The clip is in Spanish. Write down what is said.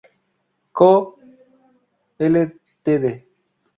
Co., Ltd.